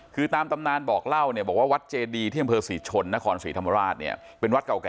คือตามตำนานบอกเล่าเนี่ยบอกว่าวัดเจดีที่อำเภอศรีชนนครศรีธรรมราชเนี่ยเป็นวัดเก่าแก่